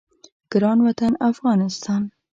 ګران وطن افغانستان